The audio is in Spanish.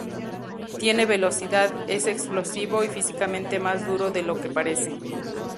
Tiene velocidad, es explosivo y físicamente más duro de lo que parece.